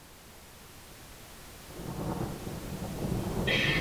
Poté lze data číst nebo zapisovat.